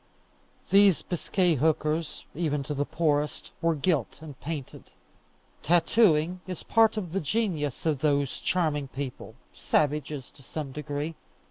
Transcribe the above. These Biscay hookers, even to the poorest, were gilt and painted. Tattooing is part of the genius of those charming people, savages to some degree.